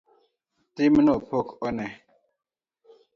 Timno pok one.